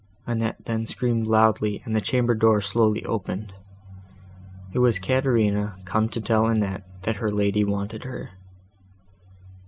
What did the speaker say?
Annette then screamed loudly, and the chamber door slowly opened.—It was Caterina, come to tell Annette, that her lady wanted her.